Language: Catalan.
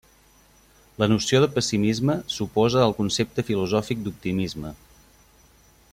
La noció de pessimisme s'oposa al concepte filosòfic d'optimisme.